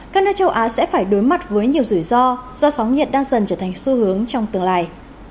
các nước châu á sẽ phải đối mặt với nhiều rủi ro do sóng nhiệt đang dần trở thành xu hướng trong tương lai